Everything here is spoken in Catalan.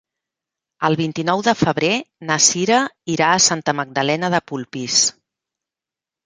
El vint-i-nou de febrer na Cira irà a Santa Magdalena de Polpís.